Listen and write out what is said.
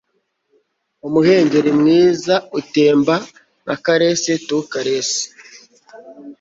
umuhengeri mwiza, utemba nka caress to caress